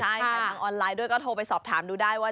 ใช่ค่ะทางออนไลน์ด้วยก็โทรไปสอบถามดูได้ว่า